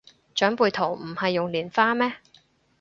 長輩圖唔係用蓮花咩